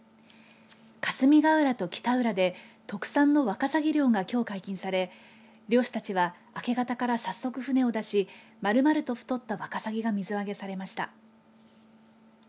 霞ヶ浦と北浦で特産のワカサギ漁がきょう解禁され漁師たちは明け方から早速、船を出しまるまると太ったワカサギが水揚げされました。